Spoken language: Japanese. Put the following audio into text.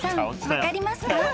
分かりますか？］